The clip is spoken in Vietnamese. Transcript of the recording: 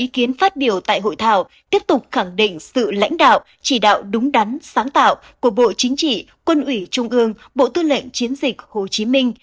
kiến phát biểu tại hội thảo tiếp tục khẳng định sự lãnh đạo chỉ đạo đúng đắn sáng tạo của bộ chính trị quân ủy trung ương bộ tư lệnh chiến dịch hồ chí minh